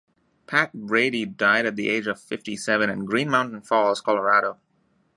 Pat Brady died at the age of fifty-seven in Green Mountain Falls, Colorado.